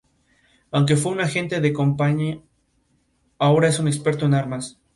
Aunque fue un agente de campaña, ahora es un experto en armas.